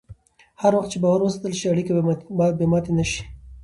هر وخت چې باور وساتل شي، اړیکې به ماتې نه شي.